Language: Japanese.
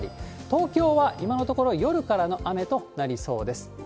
東京は今のところ、夜からの雨となりそうです。